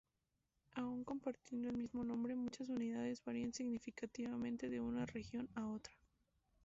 Aun compartiendo el mismo nombre, muchas unidades varían significativamente de una región a otra.